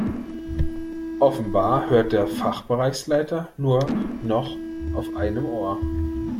Offenbar hört der Fachbereichsleiter nur noch auf einem Ohr.